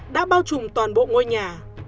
đã bao trùm toàn bộ ngôi nhà